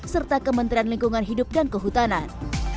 serta kementerian lingkungan hidup dan kehutanan